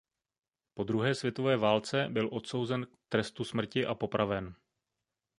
Po druhé světové válce byl odsouzen k trestu smrti a popraven.